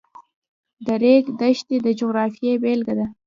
د ریګ دښتې د جغرافیې بېلګه ده.